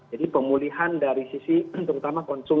jadi pemulihan dari sisi terutama konsumen